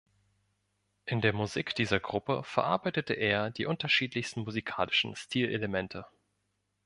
In der Musik dieser Gruppe verarbeitete er die unterschiedlichsten musikalischen Stilelemente.